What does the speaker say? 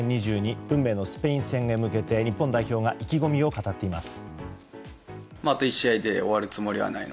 運命のスペイン戦へ向けて日本代表が意気込みを語っています。